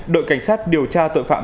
đội cảnh sát điều tra tội phạm